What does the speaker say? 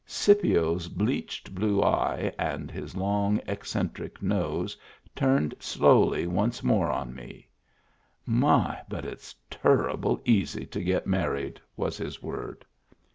Scipio's bleached blue eye and his long, eccen tric nose turned slowly once more on me. " My, but it's turrable easy to get married," was his word.